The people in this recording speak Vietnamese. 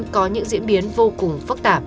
có những diễn biến vô cùng phức tạp